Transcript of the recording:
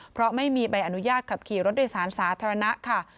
เพราะไม่มีใบอนุญาตขับขี่รถโดยสารสาธารณะค่ะ